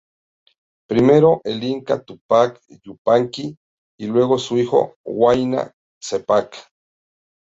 Primero el Inca Túpac Yupanqui y luego su hijo Huayna Cápac.